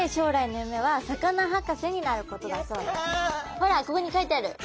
ほらここに書いてある。